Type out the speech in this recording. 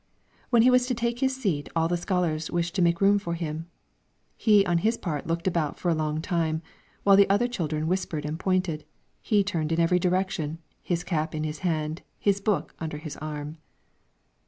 When he was to take his seat, all the scholars wished to make room for him; he on his part looked about for a long time; while the other children whispered and pointed, he turned in every direction, his cap in his hand, his book under his arm.